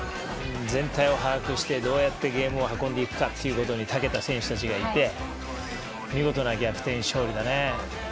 全体を把握してどうやってゲームを運んでいくかにたけた選手たちがいて見事な逆転勝利だね。